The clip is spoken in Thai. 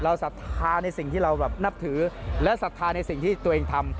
แล้วศรภาในสิ่งที่เราแบบนับถือและศรภาในสิ่งที่ตัวเองทำ